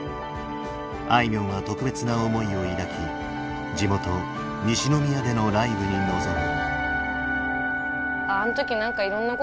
あいみょんは特別な思いを抱き地元西宮でのライブに臨む。